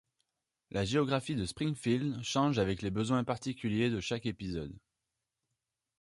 La géographie de Springfield change avec les besoins particuliers de chaque épisode.